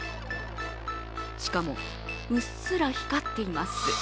しかも、うっすら光っています。